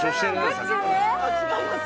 違います。